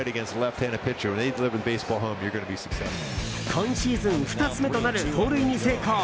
今シーズン２つ目となる盗塁に成功。